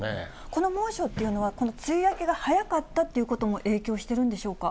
この猛暑っていうのは、この梅雨明けが早かったということも影響してるんでしょうか？